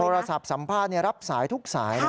โทรศัพท์สัมภาษณ์รับสายทุกสายนะ